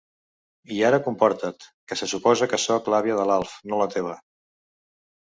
I ara comporta't, que se suposa que soc l'àvia de l'Alf, no la teva.